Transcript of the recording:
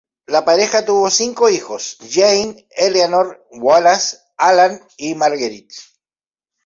La pareja tuvo cinco hijos: Jane, Eleanor, Wallace, Allan y Marguerite.